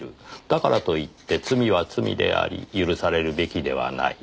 「だからといって罪は罪であり許されるべきではない」